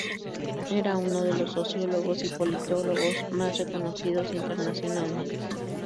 Era uno de los sociólogos y politólogos más reconocidos internacionalmente.